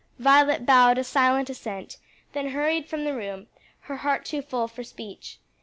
Violet bowed a silent assent, then hurried from the room; her heart too full for speech.